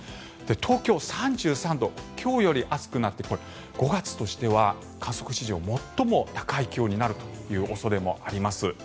東京、３３度今日より暑くなってこれ、５月としては観測史上最も高い気温になる恐れもあります。